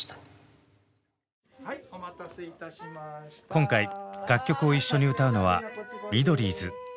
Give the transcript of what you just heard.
今回楽曲を一緒に歌うのは「ミドリーズ」。